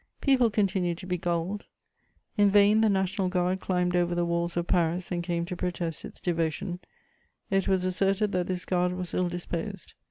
] People continued to be gulled: in vain the National Guard climbed over the walls of Paris and came to protest its devotion; it was asserted that this guard was ill disposed.